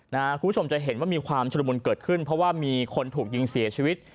คุณผู้ชมจะเห็นว่ามีความชุดละมุนเกิดขึ้นเพราะว่ามีคนถูกยิงเสียชีวิต